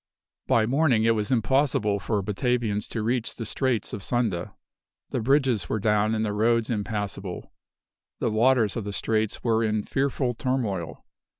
By morning it was impossible for Batavians to reach the Straits of Sunda. The bridges were down and the roads impassable. The waters of the straits were in fearful turmoil.